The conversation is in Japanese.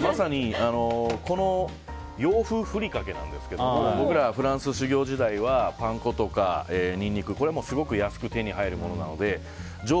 まさに洋風ふりかけなんですけど僕ら、フランス修業時代はパン粉とかニンニク、これはすごく安く手に入るものなので常備